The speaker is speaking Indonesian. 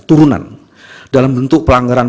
turunan dalam bentuk pelanggaran